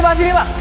pak sini pak